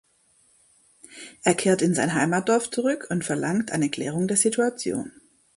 Er kehrt in sein Heimatdorf zurück und verlangt eine Klärung der Situation.